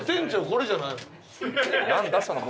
これじゃないの？